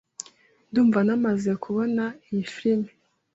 Ndumva namaze kubona iyi firime.